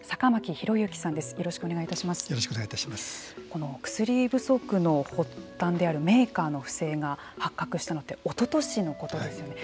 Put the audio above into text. この薬不足の発端であるメーカーの不正が発覚したのはおととしのことですよね。